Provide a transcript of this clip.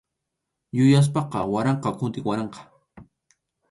Yupaspaqa waranqa kuti waranqa.